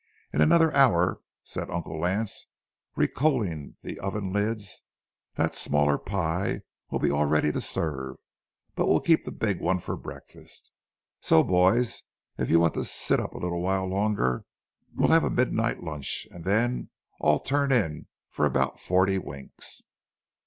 "In another hour," said Uncle Lance, recoaling the oven lids, "that smaller pie will be all ready to serve, but we'll keep the big one for breakfast. So, boys, if you want to sit up awhile longer, we'll have a midnight lunch, and then all turn in for about forty winks."